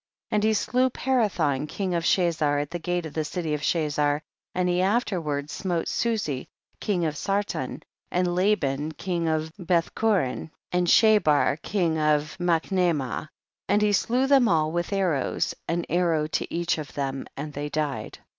6. And he slew Parathon king of Chazar at the gate of the city of Chazar, and he afterward smote Susi THE BOOK OF JASHER. 118 king of Sarton, and Laban king of Bethcliorin, and Shabir king of Mach naymah, and he slew ihcm all with arrows, an arrow to each of ihem, and they died.